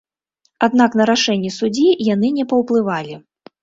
Аднак на рашэнне суддзі яны не паўплывалі.